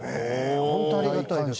ホントありがたいです。